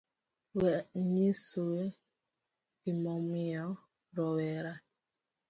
We anyisue gimomiyo rowere